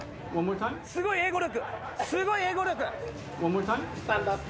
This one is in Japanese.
すごい英語力！